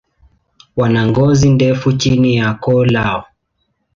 Wana ngozi ndefu chini ya koo lao.